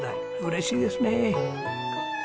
嬉しいですね。